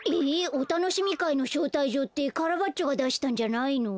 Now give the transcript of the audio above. おたのしみかいのしょうたいじょうってカラバッチョがだしたんじゃないの？